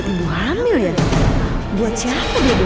tidak ada apa apa